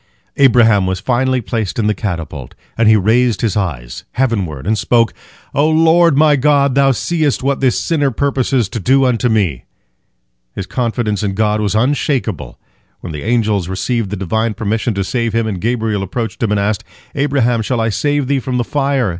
Abraham was finally placed in the catapult, and he raised his eyes heavenward, and spoke, "O Lord my God, Thou seest what this sinner purposes to do unto me!" His confidence in God was unshakable. When the angels received the Divine permission to save him, and Gabriel approached him, and asked, "Abraham, shall I save thee from the fire?"